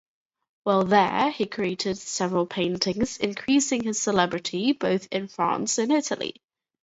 While there, he created several paintings, increasing his celebrity both in France and Italy.